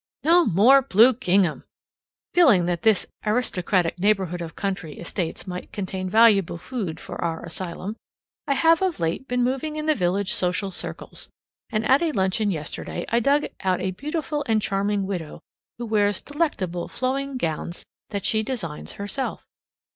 NO MORE BLUE GINGHAM! Feeling that this aristocratic neighborhood of country estates might contain valuable food for our asylum, I have of late been moving in the village social circles, and at a luncheon yesterday I dug out a beautiful and charming widow who wears delectable, flowing gowns that she designs herself.